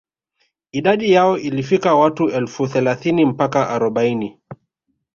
Idadi yao ilifikia watu elfu thelathini mpaka arobaini